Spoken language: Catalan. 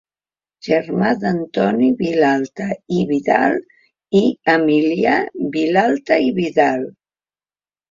Germà d'Antoni Vilalta i Vidal i Emilià Vilalta i Vidal.